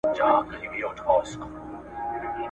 چي پخپله په مشکل کي ګرفتار وي ..